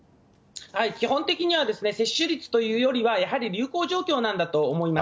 基本的には接種率というよりはやはり流行状況なんだと思います。